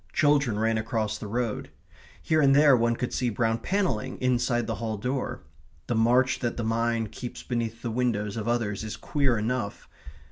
Children ran across the road. Here and there one could see brown panelling inside the hall door.... The march that the mind keeps beneath the windows of others is queer enough.